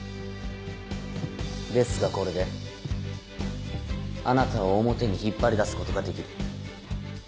ですがこれであなたを表に引っ張り出すことができる。